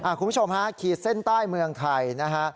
คุณผู้ชมฮะขีดเส้นใต้เมืองไทยนะฮะ